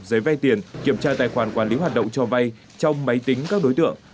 giấy vai tiền kiểm tra tài khoản quản lý hoạt động cho vai trong máy tính các đối tượng